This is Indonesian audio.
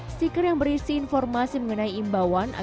stiker yang berisi informasi mengenai imbauan